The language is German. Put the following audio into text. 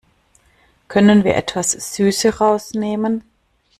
Können wir etwas Süße rausnehmen?